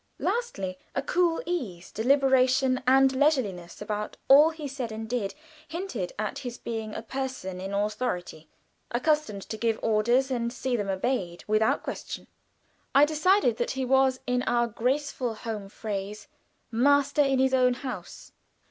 Lastly, a cool ease, deliberation, and leisureliness about all he said and did, hinted at his being a person in authority, accustomed to give orders and see them obeyed without question. I decided that he was, in our graceful home phrase, "master in his own house."